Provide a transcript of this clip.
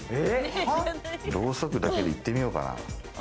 ろうそくだけでいってみようかな。